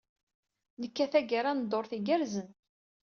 Nekka tagara n dduṛt igerrzen.